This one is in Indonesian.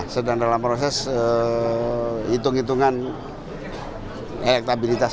sedang dalam proses hitung hitungan elektabilitas